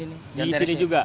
di sini juga